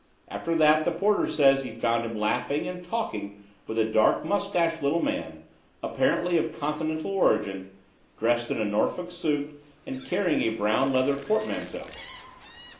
After that the porter says he found him laughing and talking with a dark moustached little man, apparently of continental origin, dressed in a Norfolk suit and carrying a brown leather portmanteau.